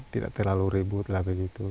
tidak terlalu ribu